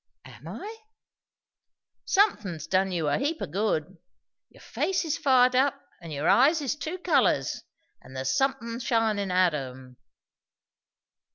"Am I?" "Somethin's done you a heap o' good. Your face is fired up; and your eyes is two colours, and there's somethin' shinin' out o' 'em."